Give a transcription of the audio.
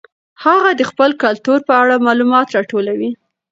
هغه د خپل کلتور په اړه معلومات راټولوي.